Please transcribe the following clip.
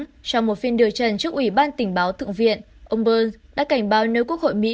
trong một phiên điều trần trước ủy ban tình báo thượng viện ông bern đã cảnh báo nếu quốc hội mỹ